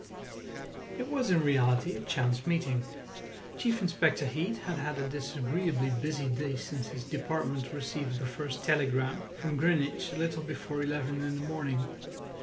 It was in reality a chance meeting. Chief Inspector Heat had had a disagreeably busy day since his department received the first telegram from Greenwich a little before eleven in the morning.